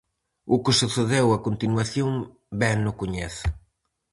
O que sucedeu a continuación ben o coñecen.